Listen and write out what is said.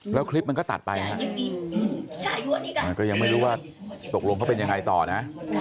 แล้วคลิปมันก็ตัดไปฮะก็ยังไม่รู้ว่าตกลงเขาเป็นยังไงต่อนะ